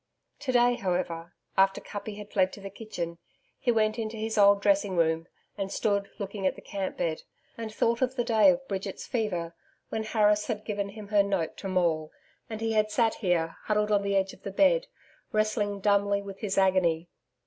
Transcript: To day however, after Kuppi had fled to the kitchen, he went into his old dressing room and stood looking at the camp bed, and thought of the day of Bridget's fever when Harris had given him her note to Maule, and he had sat here huddled on the edge of the bed wrestling dumbly with his agony.